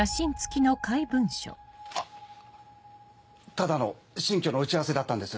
ただの新居の打ち合わせだったんです。